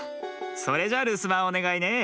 それじゃるすばんおねがいね。